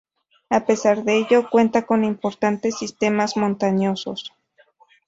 A pesar de ello, cuenta con importantes sistemas montañosos.